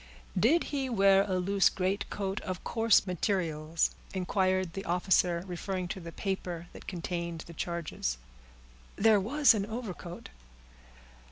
"Did he wear a loose greatcoat of coarse materials?" inquired the officer, referring to the paper that contained the charges. "There was an overcoat."